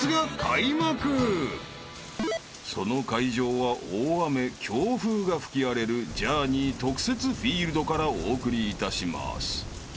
［その会場は大雨強風が吹き荒れるジャーニー特設フィールドからお送りいたします］